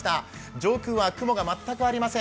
上空は雲が全くありません。